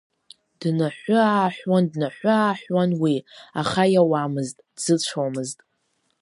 Днаҳәыааҳәуан, днаҳәы-ааҳәуан уи, аха иауамызт, дзыцәомызт.